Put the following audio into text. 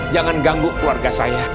jangan ganggu keluarga saya